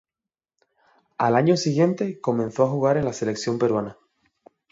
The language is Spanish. Al año siguiente comenzó a jugar en la selección peruana.